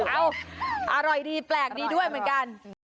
อร่อยดีแปลกดีด้วยเหมือนกัน